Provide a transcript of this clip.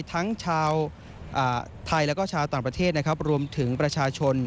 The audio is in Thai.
ทั้งชาวไทยแล้วก็ชาวต่างประเทศนะครับรวมถึงประชาชน